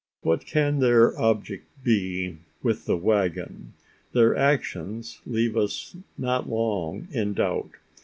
What can be their object with the waggon? Their actions leave us not long in doubt.